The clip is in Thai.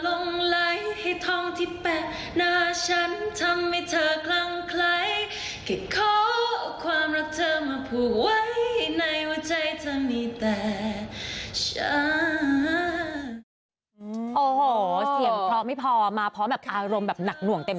โอ้โหเสียงเพราะไม่พอมาพร้อมแบบอารมณ์แบบหนักหน่วงเต็มตัว